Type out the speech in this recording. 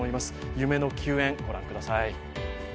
夢の球宴、ご覧ください。